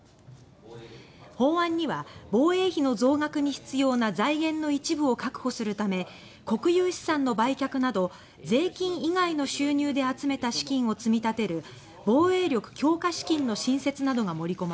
法案には防衛費の増額に必要な財源の一部を確保する為国有資産の売却など税金以外の収入で集めた資金を積み立てる防衛力強化資金の新設などが盛り込まれます。